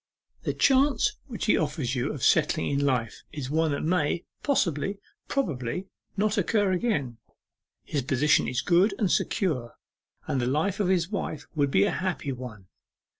The chance which he offers you of settling in life is one that may possibly, probably, not occur again. His position is good and secure, and the life of his wife would be a happy one.